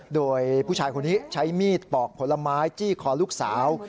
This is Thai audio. โดยผู้ชายคนนี้ใช้มีดปอกผลไม้จี้คอลูกสาว